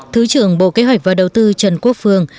thứ trưởng bộ kế hoạch và đầu tư trần quốc phương